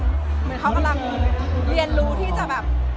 เหมือนเขากำลังเรียนรู้ที่จะแบบ